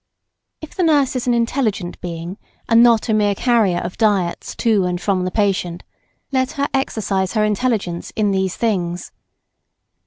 If the nurse is an intelligent being, and not a mere carrier of diets to and from the patient, let her exercise her intelligence in these things.